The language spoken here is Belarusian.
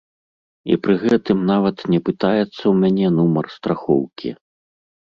І пры гэтым нават не пытаецца ў мяне нумар страхоўкі.